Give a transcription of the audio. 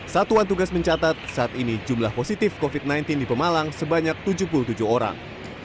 satuan tugas mencatat saat ini jumlah positif covid sembilan belas di pemalang sebanyak tujuh puluh tujuh orang